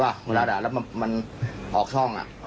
เวลาออกช่องอ่ะเวลาแสะอะไรอย่างนี้แล้วมันออกช่อง